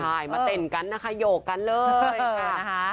มาเต้นกันนะคะโหยกกันเลยค่ะ